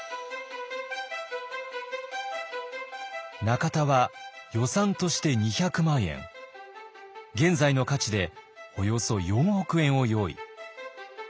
中田は予算として２００万円現在の価値でおよそ４億円を用意。